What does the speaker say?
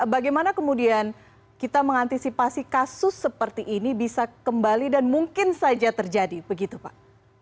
bagaimana kemudian kita mengantisipasi kasus seperti ini bisa kembali dan mungkin saja terjadi begitu pak